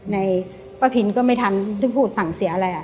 ในป้าพินก็ไม่ทันที่พูดสั่งเสียอะไร